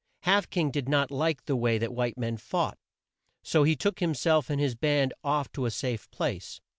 Half King did not like the way that white men fought, so he took him self and his band off to a safe place.